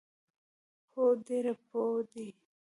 هو، ډیر پوه دي